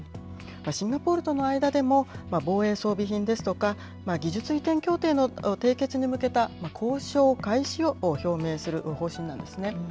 シンガポールとの間でも、防衛装備品ですとか、技術移転協定の締結に向けた交渉開始を表明する方針なんですね。